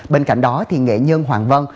bên cạnh đó thì nghệ nhân hoàng vân